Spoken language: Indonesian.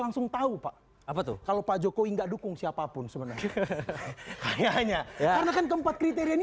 langsung tahu pak apa tuh kalau pak jokowi nggak dukung siapapun sebenarnya hanya keempat kriteria